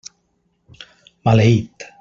Maleït!